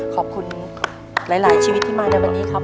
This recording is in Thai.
ขอบคุณหลายชีวิตที่มาในวันนี้ครับ